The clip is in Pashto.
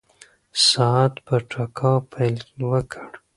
ساعت په ټکا پیل وکړ.